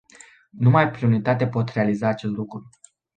Numai prin unitate pot realiza acest lucru.